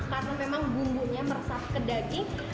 karena memang bumbunya meresap ke daging